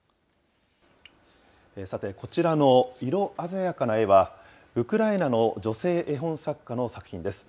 さてこちらの色鮮やかな絵は、ウクライナの女性絵本作家の作品です。